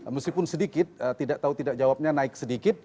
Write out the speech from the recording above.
meskipun sedikit tidak tahu tidak jawabnya naik sedikit